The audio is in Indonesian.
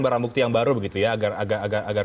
barang bukti yang baru begitu ya agar